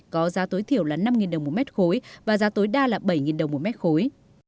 có giá tối thiểu là năm đồng một mét khối và giá tối đa là bảy đồng một mét khối